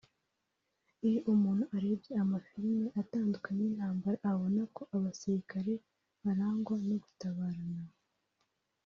Iyo umuntu arebye amafilime atandukanye y’intambara abona ko abasirikare barangwa no gutabarana